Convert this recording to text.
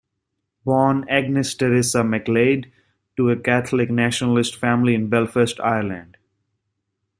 Born Agnes Teresa McGlade to a Catholic nationalist family in Belfast, Ireland.